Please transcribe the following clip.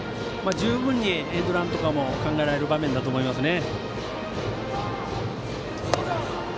十分にエンドランとかも考えられる場面だと思います。